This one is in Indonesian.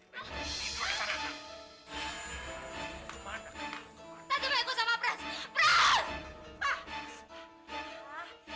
tapi mau ikut sama prasma